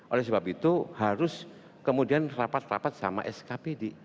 oleh sebab itu harus kemudian rapat rapat sama skpd